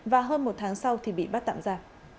và hơn một tháng sau thì bị bắt tạm ra